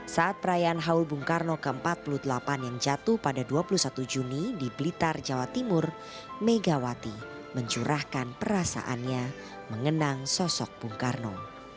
saat perayaan haul bung karno ke empat puluh delapan yang jatuh pada dua puluh satu juni di blitar jawa timur megawati mencurahkan perasaannya mengenang sosok bung karno